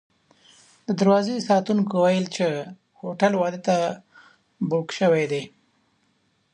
د دروازې ساتونکو ویل چې هوټل واده ته بوک شوی دی.